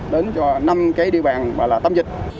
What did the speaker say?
đến cho năm cái địa bàn là tăm dịch